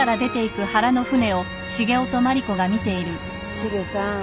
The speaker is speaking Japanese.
シゲさん。